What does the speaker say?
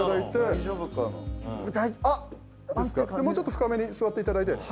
もうちょっと深めに座っていただいて。